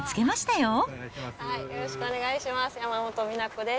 よろしくお願いします。